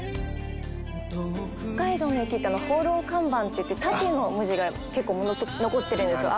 北海道の駅ってホーロー看板っていって縦の文字が結構残ってるんですよ